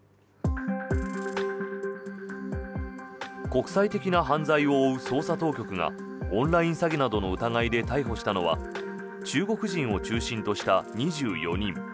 国際的な犯罪を追う捜査当局がオンライン詐欺などの疑いで逮捕したのは中国人を中心とした２４人。